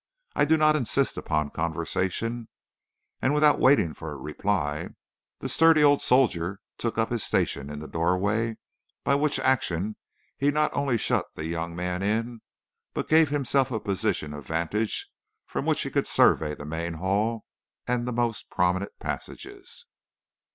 I do not insist upon conversation.' And without waiting for a reply, the sturdy old soldier took up his station in the doorway, by which action he not only shut the young man in, but gave himself a position of vantage from which he could survey the main hall and the most prominent passages.